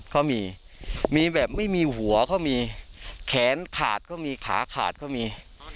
เขามีมีแบบไม่มีหัวเขามีแขนขาดเขามีขาขาดเขามี